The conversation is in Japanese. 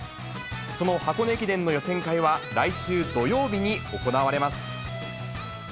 その箱根駅伝の予選会は、来週土曜日に行われます。